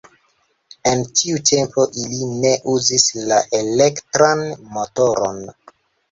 En tiu tempo, ili ne uzis la elektran motoron.